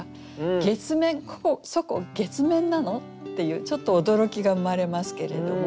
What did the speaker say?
月面「そこ月面なの？」っていうちょっと驚きが生まれますけれども。